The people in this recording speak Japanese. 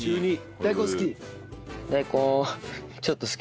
大根好き？